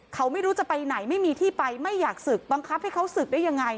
เขาไม่รู้จะไปไหนไม่มีที่ไปไม่อยากศึกบังคับให้เขาศึกได้ยังไง